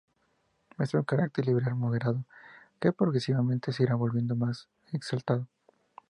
Muestra un carácter liberal moderado que progresivamente se irá volviendo más exaltado.